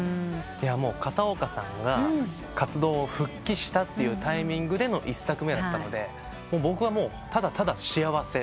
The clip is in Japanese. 片岡さんが活動を復帰したというタイミングでの一作目だったので僕はただただ幸せ。